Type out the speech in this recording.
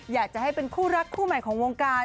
อยากจะให้เป็นคู่รักคู่ใหม่ของวงการ